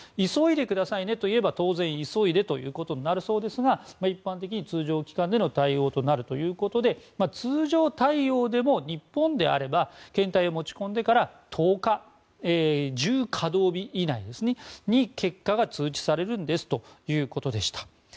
急いでくださいねといえば当然急いでとなるそうですが一般的に通常期間での対応となるということで通常対応でも、日本であれば検体を持ち込んでから１０稼働日以内に結果が通知されるんですということでした。